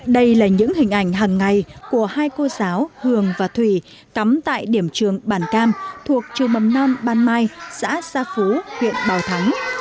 đây là những hình ảnh hàng ngày của hai cô giáo hường và thủy cắm tại điểm trường bản cam thuộc trường mầm non ban mai xã gia phú huyện bảo thắng